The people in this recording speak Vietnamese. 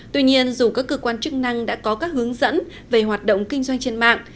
tuy nhiên dù các cơ quan chức năng đã có các hướng dẫn về hoạt động kinh doanh trên mạng